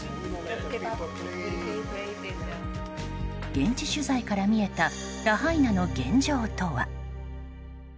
現地取材から見えたラハイナの現状とは？